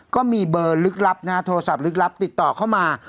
ก็มีเบอร์ลึกลับนะฮะโทรศัพท์ลึกลับติดต่อเข้ามา